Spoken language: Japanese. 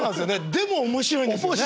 でも面白いんですよね。